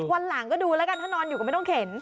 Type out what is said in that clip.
วันหลังก็ดูแล้วกันถ้านอนอยู่ก็ไม่ต้องเข็น